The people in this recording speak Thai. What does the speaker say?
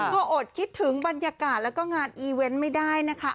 ก็อดคิดถึงบรรยากาศแล้วก็งานอีเวนต์ไม่ได้นะคะ